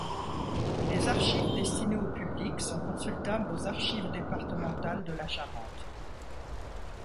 Les archives destinées au public sont consultables aux archives départementales de la Charente.